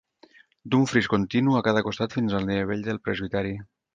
D'un fris continu a cada costat fins al nivell del presbiteri.